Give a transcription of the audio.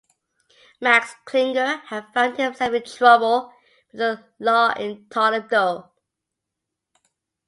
Max Klinger had found himself in trouble with the law in Toledo.